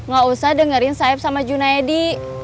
gak usah dengerin sayap sama junaedi